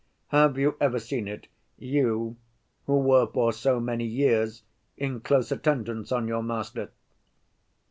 "Have you ever seen it, you, who were for so many years in close attendance on your master?"